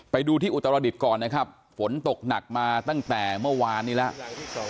ไปดูที่อุตรดิษฐ์ก่อนนะครับฝนตกหนักมาตั้งแต่เมื่อวานนี้แล้ว